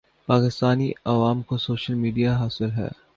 پاکستانی عوام کو social media حاصل ہے